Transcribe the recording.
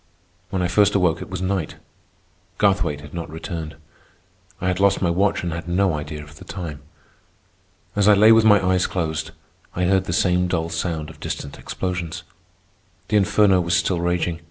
When I first awoke, it was night. Garthwaite had not returned. I had lost my watch and had no idea of the time. As I lay with my eyes closed, I heard the same dull sound of distant explosions. The inferno was still raging.